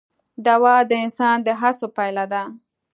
دوام د انسان د هڅو پایله ده.